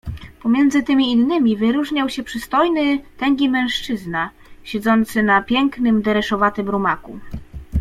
"Pomiędzy tymi „innymi” wyróżniał się przystojny, tęgi mężczyzna, siedzący na pięknym, dereszowatym rumaku."